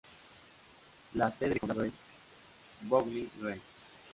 La sede de condado es Bowling Green.